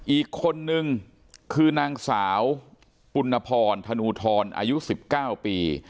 อีกคนนึงคือนางสาวปุณพรธนูทรอายุ๑๙ปี